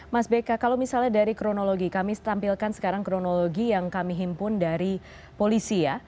mas beka kalau misalnya dari kronologi kami tampilkan sekarang kronologi yang kami himpun dari polisi ya